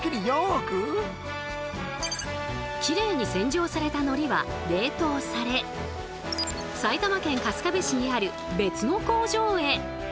きれいに洗浄された海苔は冷凍され埼玉県春日部市にある別の工場へ。